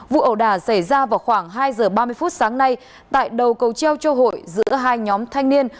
vụ ẩu đả xảy ra vào khoảng hai giờ ba mươi phút sáng nay tại đầu cầu treo cho hội giữa hai nhóm thanh niên